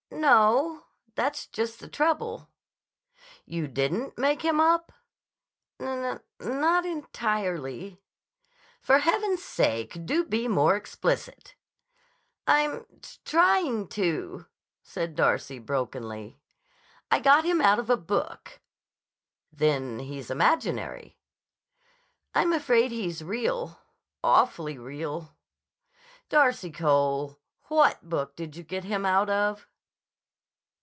"N no. That's just the trouble." "You didn't make him up?" "N n not entirely." "For Heaven's sake, do be more explicit!" "I'm t t trying to," said Darcy brokenly. "I got him out of a book." "Then he's imaginary." "I'm afraid he's real. Awfully real." "Darcy Cole; what book did you get him out of?"